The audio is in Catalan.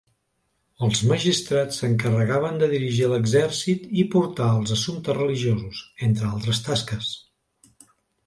Els magistrats s'encarregaven de dirigir l'exèrcit i portar els assumptes religiosos, entre altres tasques.